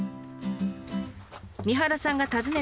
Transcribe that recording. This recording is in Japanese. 三原さんが訪ねたのは。